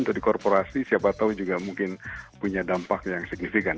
untuk di korporasi siapa tahu juga mungkin punya dampak yang signifikan